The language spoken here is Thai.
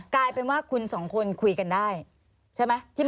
กลายเป็นว่าคุณสองคนคุยกันได้ใช่ไหม